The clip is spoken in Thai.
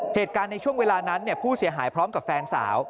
เหตุการณ์ในช่วงเวลานั้นผู้เสียหายพร้อมกับแฟนสาว